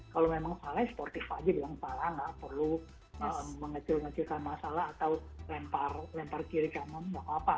kalau memang salah sportif aja bilang salah nggak perlu mengecil ngecilkan masalah atau lempar kiri kanan nggak apa apa